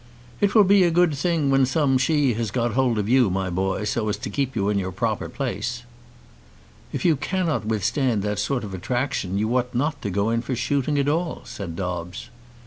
"It will be a good thing when some She has got hold of you, my boy, so as to keep you in your proper place." "If you cannot withstand that sort of attraction you ought not to go in for shooting at all," said Dobbes.